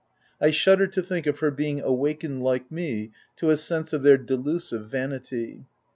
I shudder to think of her being awakened like me to a sense of their delusive vanity.